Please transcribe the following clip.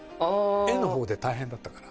絵のほうで大変だったから。